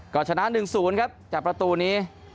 ก็ชนะ๑๐ครับจากประตูนี้